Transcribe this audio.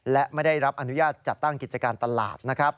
และไม่ได้รับอนุญาตจัดการกิจการตลาด